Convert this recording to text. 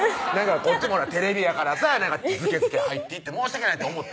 こっちもテレビやからさズケズケ入っていって申し訳ないって思った